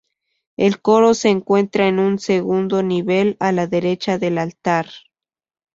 El coro se encuentra en un segundo nivel a la derecha del altar.